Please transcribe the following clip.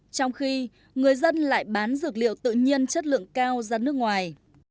trong khi người dân lại bán dược liệu tự nhiên chất lượng cao ra nước ngoài